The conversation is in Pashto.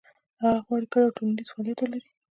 هغه غواړي کار او ټولنیز فعالیت ولري.